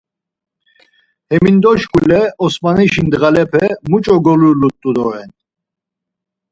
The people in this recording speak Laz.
Hemindo şkule, Osmanişi ndğalepe muç̌o golulut̆u doren?